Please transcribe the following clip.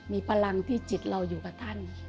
มีพลังที่จิตเราอยู่กับท่าน